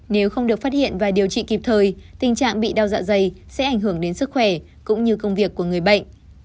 nếu không được phát hiện và điều trị kịp thời tình trạng bị đau dạ dày sẽ ảnh hưởng đến sức khỏe cũng như công việc của người bệnh